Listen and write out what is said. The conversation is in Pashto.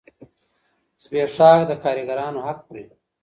زبېښاک د کارګرانو حق خوري.